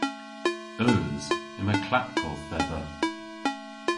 Eus. Yma klapkodh dhedha.